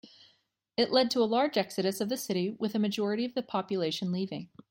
It led to a large exodus of the city, with a majority of the population leaving.